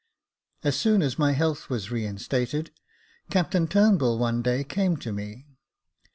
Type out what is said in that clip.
As soon as my health was reinstated, Captain Turnbull one day came to me.